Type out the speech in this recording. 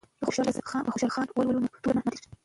که خوشحال خان ولولو نو توره نه ماتیږي.